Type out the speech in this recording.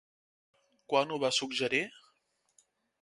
Quan ho va suggerir?